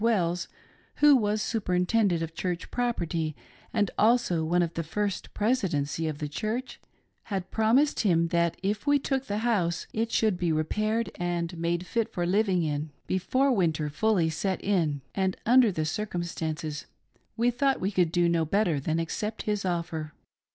Wells, who was super intendent of Church property and also one of the First Presidency of the Church, had promised him that if we took the house it should be repaired and made fit for living in, be fore winter fully set in ; and under the circumstances we thought we could do no better than accept his offer.